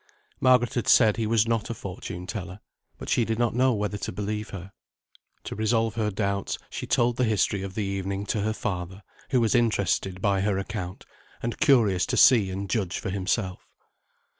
Margaret had said he was not a fortune teller, but she did not know whether to believe her. To resolve her doubts, she told the history of the evening to her father, who was interested by her account, and curious to see and judge for himself.